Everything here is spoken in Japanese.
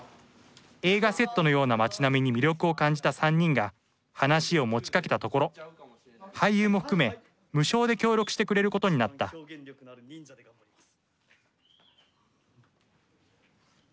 映画セットのような町並みに魅力を感じた３人が話を持ちかけたところ俳優も含め無償で協力してくれることになった表現力のある忍者で頑張ります。